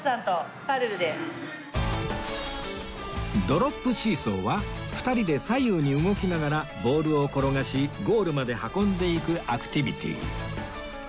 ドロップシーソーは２人で左右に動きながらボールを転がしゴールまで運んでいくアクティビティ